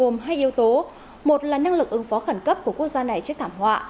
một là năng lực ứng phó khẩn cấp của quốc gia này trước thảm họa